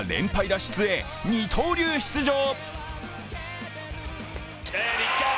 脱出へ二刀流出場。